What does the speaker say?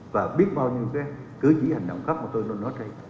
và biết bao nhiêu cái cưới dĩ hành động khác mà tôi nói trên